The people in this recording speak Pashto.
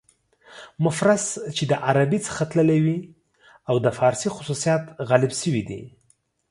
مفرس چې له عربي څخه تللي وي او د فارسي خصوصیات غالب شوي دي.